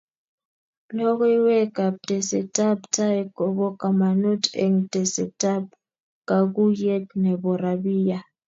Logoiywek ak tesetab tai ko bo kamanut eng tesetab kaguyet nebo rabia